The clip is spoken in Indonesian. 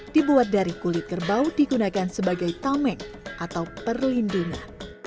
dibuat dari kulit kerbau digunakan sebagai tameng atau perlindungan